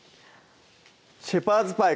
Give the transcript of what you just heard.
「シェパーズパイ」